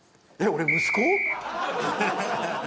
俺息子？